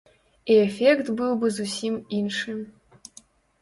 І эфект быў бы зусім іншы.